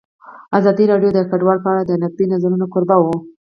ازادي راډیو د کډوال په اړه د نقدي نظرونو کوربه وه.